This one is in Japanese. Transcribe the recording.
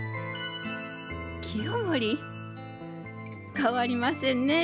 清盛変わりませんねえ